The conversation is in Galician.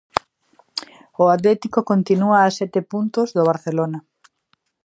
O Atlético continúa a sete puntos do Barcelona.